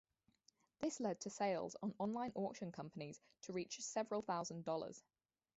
This led to sales on online auction companies to reach several thousand dollars.